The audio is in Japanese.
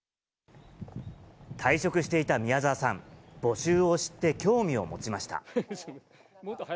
退職していた宮沢さん、募集を知って興味を持ちました。